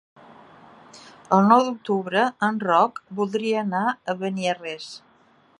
El nou d'octubre en Roc voldria anar a Beniarrés.